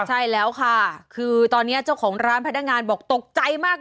ใช่แล้วค่ะคือตอนนี้เจ้าของร้านพนักงานบอกตกใจมาก